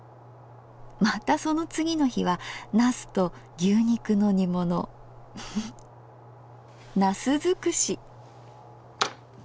またその次の日は「茄子と牛肉の煮物」。茄子尽くし！